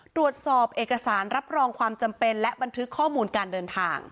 ตรวจสอบเอกสารรับรองความจำเป็นและบันทึกข้อมูลการเดินทาง